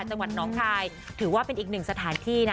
จังหวัดน้องคายถือว่าเป็นอีกหนึ่งสถานที่นะ